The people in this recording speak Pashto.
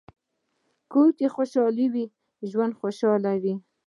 کور که خوشحال وي، ژوند خوشحال وي.